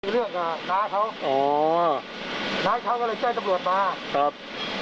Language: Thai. เรื่องกับน้าเขาอ๋อน้าเขาก็เลยแจ้งตำรวจมาครับ